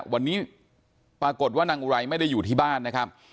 วันนี้ปรากฏว่านางอุไรไม่ได้อยู่ที่บ้านนะครับ